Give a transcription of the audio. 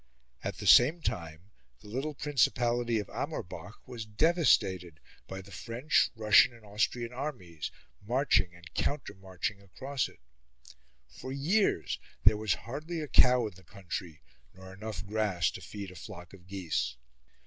At the same time the little principality of Amorbach was devastated by the French, Russian, and Austrian armies, marching and counter marching across it. For years there was hardly a cow in the country, nor enough grass to feed a flock of geese.